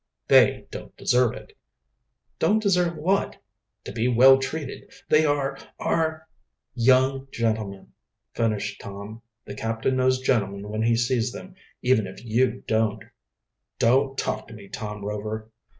"They don't deserve it." "Don't deserve what?" "To be well treated. They are are " "Young gentlemen," finished Tom. "The captain knows gentlemen when he sees them, even if you don't." "Don't talk to me, Tom Rover."